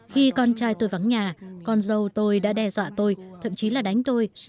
khi con trai tôi vắng nhà con dâu tôi đã đe dọa tôi thậm chí là đánh tôi